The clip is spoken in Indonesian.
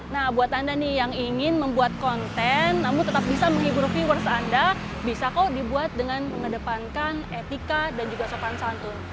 nah buat anda nih yang ingin membuat konten namun tetap bisa menghibur viewers anda bisa kok dibuat dengan mengedepankan etika dan juga sopan santun